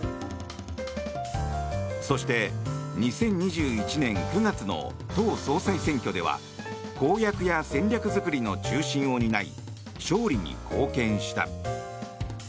そして２０２１年９月の党総裁選挙では公約や戦略作りの中心を担い勝利に貢献した。